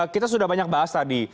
kita sudah banyak bahas tadi